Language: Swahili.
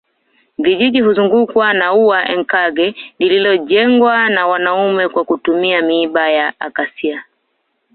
Vijiji huzungukwa na ua Enkang lililojengwa na wanaume kwa kutumia miiba ya acacia